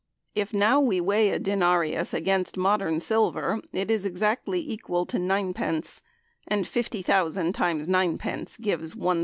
If now we weigh a denarius against modern silver, it is exactly equal to ninepence, and fifty thousand times ninepence gives L1,875.